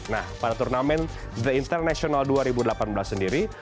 nah pada turnamen the international dua ribu delapan belas sendiri